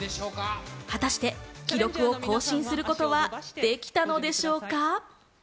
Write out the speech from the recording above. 果たして記録を更新することはできたのでしょうか。